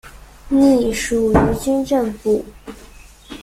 隶属于军政部。